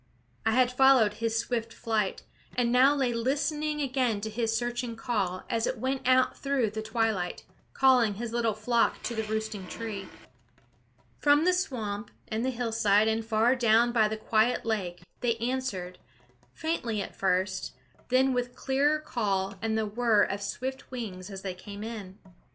I had followed his swift flight, and now lay listening again to his searching call as it went out through the twilight, calling his little flock to the roosting tree. From the swamp and the hillside and far down by the quiet lake they answered, faintly at first, then with clearer call and the whirr of swift wings as they came in.